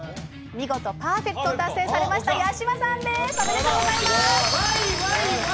見事パーフェクトを達成されました八嶋さんですおめでとうございます！